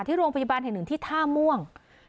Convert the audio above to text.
ที่โรงพยาบาลแห่งหนึ่งที่ท่าม่วง